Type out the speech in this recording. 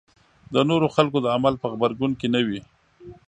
د نورو خلکو د عمل په غبرګون کې نه وي.